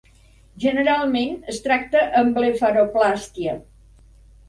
Generalment es tracta amb blefaroplàstia.